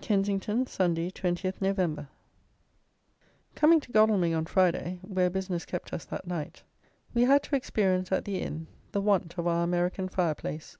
Kensington, Sunday, 20th Nov. Coming to Godalming on Friday, where business kept us that night, we had to experience at the inn the want of our American fire place.